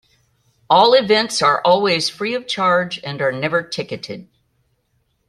All events are always free of charge and are never ticketed.